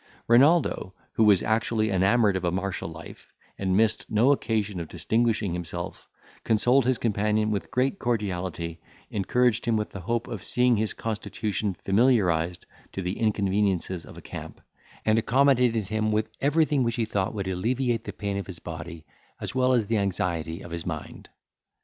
Renaldo, who was actually enamoured of a martial life, and missed no occasion of distinguishing himself, consoled his companion with great cordiality, encouraged him with the hope of seeing his constitution familiarised to the inconveniences of a camp, and accommodated him with everything which he thought would alleviate the pain of his body, as well as the anxiety of his mind.